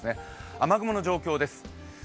雨雲の状況です。